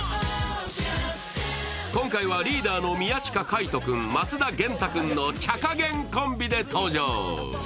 今回はリーダーの宮近海斗君、松田元太君のちゃかげんコンビで登場。